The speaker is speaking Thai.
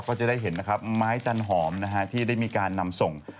ก็จะได้เห็นนะครับไม้จันหอมนะฮะที่ได้มีการนำส่ง